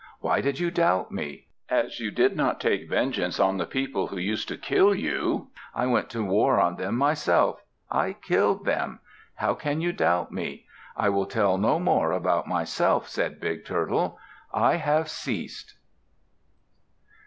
Why did you doubt me? As you did not take vengeance on the people who used to kill you, I went to war on them myself. I killed them. How can you doubt me? I will tell no more about myself," said Big Turtle. "I have ceased."